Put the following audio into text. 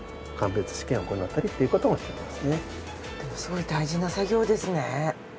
すごい大事な作業ですね。